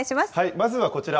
まずはこちら。